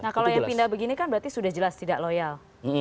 nah kalau yang pindah begini kan berarti sudah jelas tidak loyal